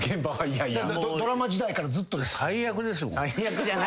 ドラマ時代からずっとですか？